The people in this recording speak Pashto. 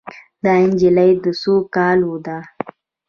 دا نجلۍ د څو کالو ده